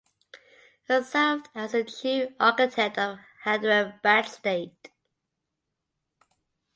He served as the Chief Architect of Hyderabad State.